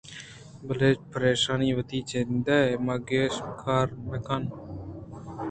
بلے پرایشاں وتی جند ءَ مَہ کُش ءُ گار مہ کن